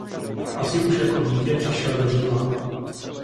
Asi už jako dítě přišel do Říma.